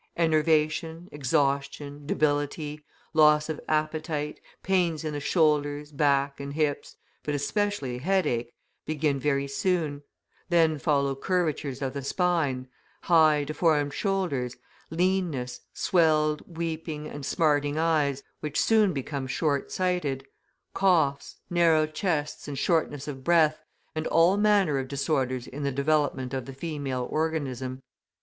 Enervation, exhaustion, debility, loss of appetite, pains in the shoulders, back, and hips, but especially headache, begin very soon; then follow curvatures of the spine, high, deformed shoulders, leanness, swelled, weeping, and smarting eyes, which soon become short sighted; coughs, narrow chests, and shortness of breath, and all manner of disorders in the development of the female organism.